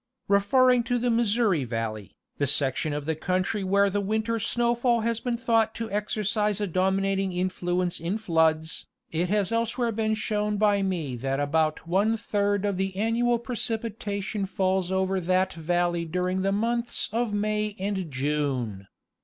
Referring to the Missouri valley, the section of the country where the winter snowfall has been thought to exercise a domin ating influence in floods, it has elsewhere been shown by me that about one third of the annual precipitation falls over that valley during the months of May and June.